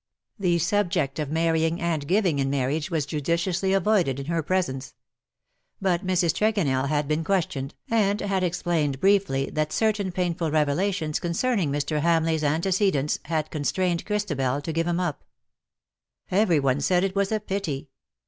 The subject of marrying and giving in marriage was judiciously avoided in her presence. But Mrs. Tregonell had been questioned, and had explained briefly that certain painful reve lations concerning Mr. Hamleigh^s antecedents had constrained Christabel to give him up. Every one said it was a pity.